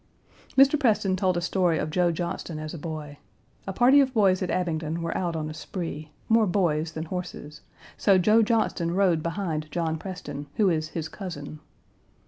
Mr. Preston told a story of Joe Johnston as a boy. A party of boys at Abingdon were out on a spree, more boys than horses; so Joe Johnston rode behind John Preston, who is his cousin.